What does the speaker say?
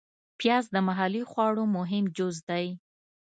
پیاز د محلي خواړو مهم جز دی